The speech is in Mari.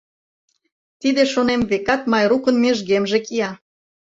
Тиде, шонем, векат Майрукын межгемже кия!